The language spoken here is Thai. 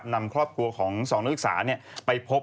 นำครอบครัวของ๒นักศึกษาไปพบ